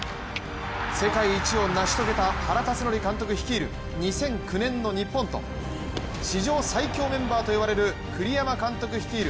世界一をなし遂げた原辰徳監督率いる２００９年の日本と、史上最強メンバーといわれる栗山監督率いる